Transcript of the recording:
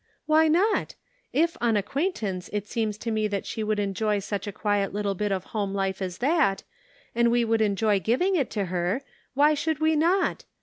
" Why not ? If, on acquaintance, it seems to me that she would enjoy such a quiet little bit of home life as that, and we would enjoy giving it to her, why should we not?